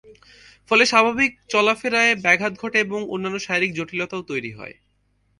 ফলে স্বাভাবিক চলাফেরায় ব্যাঘাত ঘটে এবং অন্যান্য শারীরিক জটিলতাও তৈরি হয়।